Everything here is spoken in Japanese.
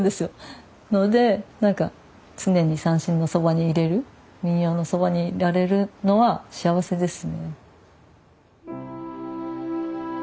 なので何か常に三線のそばにいれる民謡のそばにいられるのは幸せですね。